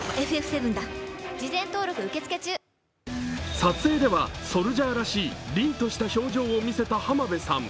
撮影ではソルジャーらしいりんとした表情を見せた浜辺さん。